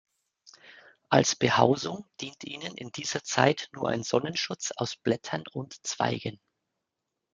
Als Behausung dient ihnen in dieser Zeit nur ein Sonnenschutz aus Blättern und Zweigen.